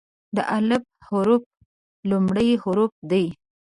د "الف" حرف لومړی حرف دی.